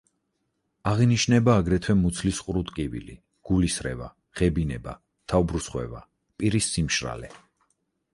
აღინიშნება აგრეთვე მუცლის ყრუ ტკივილი, გულისრევა, ღებინება, თავბრუსხვევა, პირის სიმშრალე.